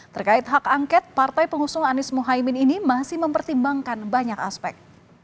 terkait hak angket partai pengusung anies mohaimin ini masih mempertimbangkan banyak aspek